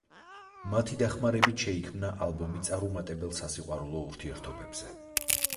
მათი დახმარებით შეიქმნა ალბომი წარუმატებელ სასიყვარულო ურთიერთობებზე.